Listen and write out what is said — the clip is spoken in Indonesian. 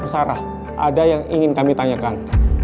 sarah ada yang ingin kami tanyakan